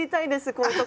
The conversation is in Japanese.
こういう所。